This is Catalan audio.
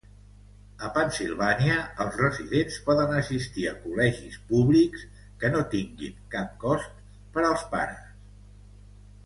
A Pennsilvània, els residents poden assistir a col·legis públics que no tinguin cap cost per als pares.